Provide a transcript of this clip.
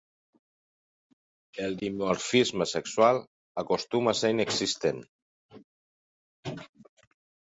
El dimorfisme sexual acostuma a ser inexistent.